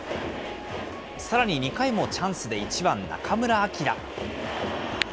さらに２回もチャンスで１番中村晃。